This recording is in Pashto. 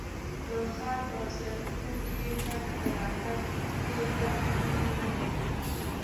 د ښار په سړکونو کې تګ راتګ ډېر ګڼه ګوڼه لري.